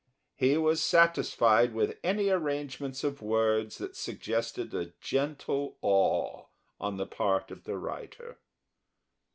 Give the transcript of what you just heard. He was satisfied with any arrangements of words that suggested a gentle awe on the part of the writer.